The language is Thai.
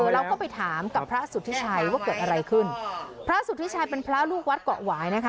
เราก็ไปถามกับพระสุธิชัยว่าเกิดอะไรขึ้นพระสุธิชัยเป็นพระลูกวัดเกาะหวายนะคะ